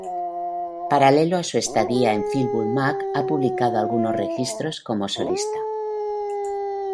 Paralelo a su estadía en Fleetwood Mac ha publicado algunos registros como solista.